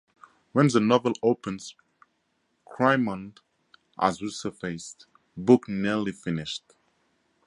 When the novel opens, Crimond has resurfaced, book nearly finished.